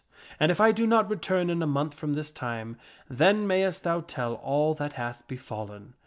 And if I do not return in a month from this time, then mayst thou tell all that hath befallen.